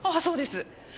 そうです。